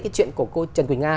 cái chuyện của cô trần quỳnh nga